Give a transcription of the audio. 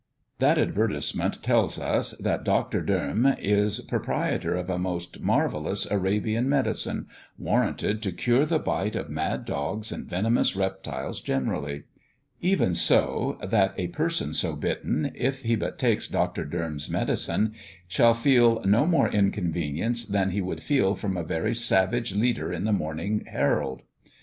That advertisement tells us, that Dr. Doem is proprietor of a most marvellous Arabian medicine, warranted to cure the bite of mad dogs and venomous reptiles generally; even so, that a person so bitten, if he but takes Dr. Doem's medicine, shall feel no more inconvenience than he would feel from a very savage leader in the Morning Herald.